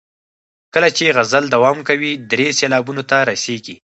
کله چې غزل دوام کوي درې سېلابونو ته رسیږي.